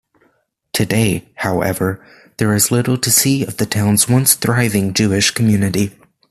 Today, however, there is little to see of the town's once-thriving Jewish community.